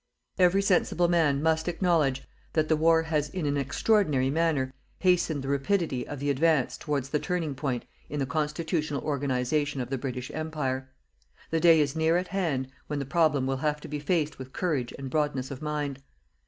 Every sensible man must acknowledge that the war has in an extraordinary manner hastened the rapidity of the advance towards the turning point in the Constitutional organization of the British Empire. The day is near at hand when the problem will have to be faced with courage and broadness of mind.